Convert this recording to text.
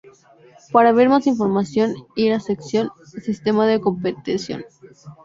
Para ver más información ir a sección -Sistema de competición-.